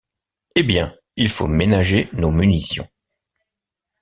Eh bien, il faut ménager nos munitions.